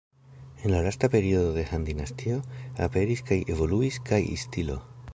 En la lasta periodo de Han-dinastio aperis kaj evoluis Kai-stilo.